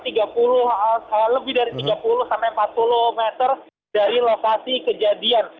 tiga puluh sampai empat puluh meter dari lokasi kejadian